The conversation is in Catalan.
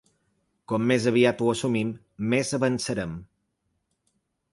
Com més aviat ho assumim més avançarem.